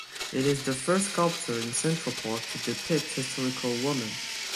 It is the first sculpture in Central Park to depict historical women.